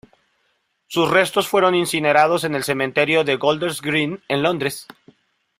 Sus restos fueron incinerados en el Crematorio de Golders Green en Londres.